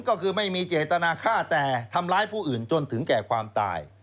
ก็คือไม่มีเจตนาฆ่าแต่ทำร้ายผู้อื่นจนถึงแก่ความตาย